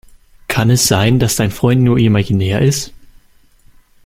Kann es sein, dass dein Freund nur imaginär ist?